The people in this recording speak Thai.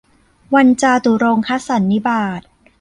วันจาตุรงคสันนิบาต